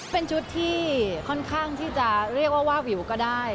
เป็นชุดที่ค่อนข้างที่จะเรียกว่าวาบวิวก็ได้